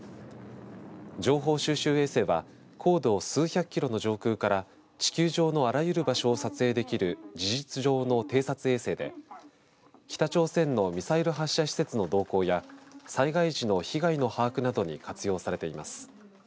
情報収集衛星は高度数百キロの上空から地球上のあらゆる場所を撮影できる事実上の偵察衛星で北朝鮮のミサイル発射施設の動向や災害時の被害の把握などに活用されています。